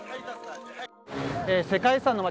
世界遺産の街